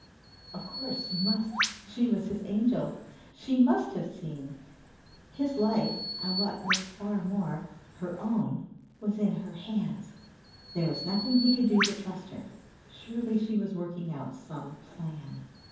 Of course you must! She was his Angel. She must have seen! His life, and what was far more, her own, was in her hands. There was nothing he could do but trust her. Surely she was working out some plan.